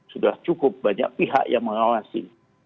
sudah cukup banyak pihak yang mengawasi